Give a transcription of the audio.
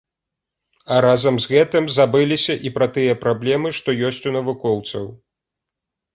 А разам з гэтым забыліся і пра тыя праблемы, што ёсць у навукоўцаў.